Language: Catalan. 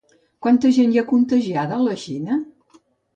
Quanta gent hi ha contagiada a la Xina?